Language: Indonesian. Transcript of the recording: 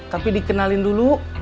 tapi dikenalin dulu